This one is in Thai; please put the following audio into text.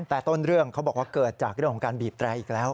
แต่ต้นเรื่องเขาบอกว่าเกิดจากเรื่องของการบีบแตรอีกแล้ว